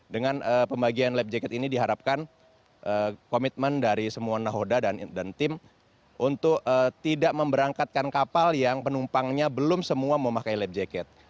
dengan pembagian lab jacket ini diharapkan komitmen dari semua nahoda dan tim untuk tidak memberangkatkan kapal yang penumpangnya belum semua memakai lab jacket